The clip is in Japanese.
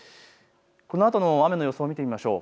このあとの雨の予想を見てみましょう。